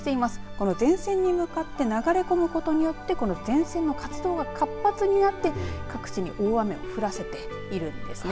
この前線に向かって流れ込むことによってこの前線の活動が活発になって各地に大雨降らせているんですね。